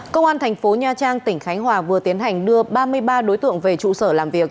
công an thành phố nha trang tỉnh khánh hòa vừa tiến hành đưa ba mươi ba đối tượng về trụ sở làm việc